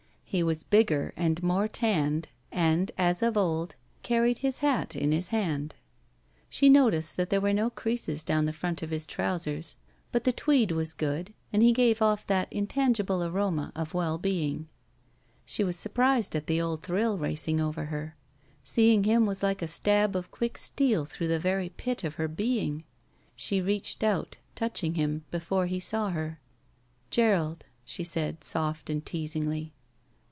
He was bigger and more tanned, and, as of old, carried his hat in i2 BACK PAY his hand. She noticed that there were no creases down the front of his trousers, but the tweed was good and he gave off that intangible aroma of well being. She was surprised at the old thrill racing over her. Seeing him was like a stab of quick steel through the very pit of her being. She reached out, touching him, before he saw her. "Gerald," she said, soft and teasingly.